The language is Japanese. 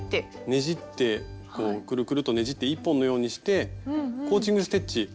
ねじってこうくるくるとねじって１本のようにしてコーチング・ステッチ。